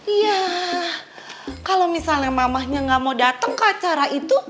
iya kalo misalnya mamanya gak mau dateng ke acara itu